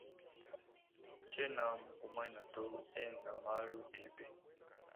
Tshiena mukumanya to enza malu ebe.